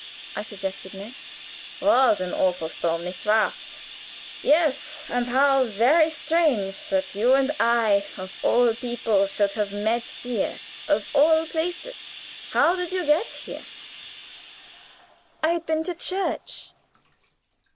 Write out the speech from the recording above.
I suggested next. "Was an awful storm, nicht wahr? Yes. And how very strange that you and I, of all people, should have met here, of all places. How did you get here?" "I had been to church."